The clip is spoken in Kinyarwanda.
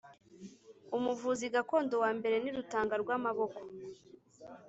Umuvuzi gakondo wa mbere ni Rutangarwamaboko